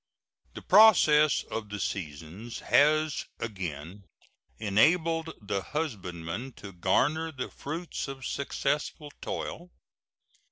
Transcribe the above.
The process of the seasons has again enabled the husbandman to garner the fruits of successful toil.